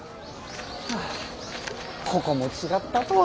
ここも違ったとは。